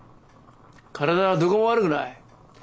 体はどこも悪くない。